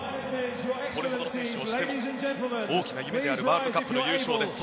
これほどの選手をしても大きな夢であるワールドカップの優勝です。